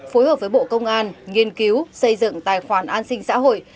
phối hợp với bộ công an nghiên cứu xây dựng tài khoản an sinh xã hội